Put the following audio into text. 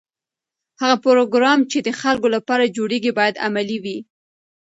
هغه پروګرام چې د خلکو لپاره جوړیږي باید عملي وي.